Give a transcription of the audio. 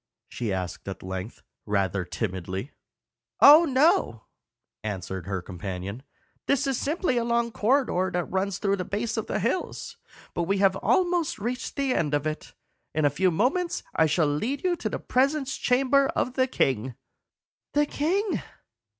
she asked at length, rather timidly. "Oh no," answered her companion. "This is simply a long corridor that runs through the base of the hills, but we have almost reached the end of it. In a few moments I shall lead you into the presence chamber of the king." "The king!"